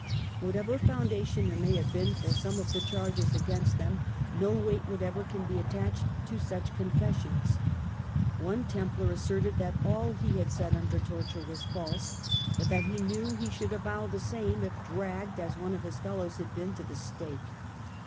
Whatever foundation there may have been for some of the charges against them, no weight whatever can be attached to such confessions. One Templar asserted that all he had said under torture was false, but that he knew he should avow the same, if dragged as one of his fellows had been, to the stake.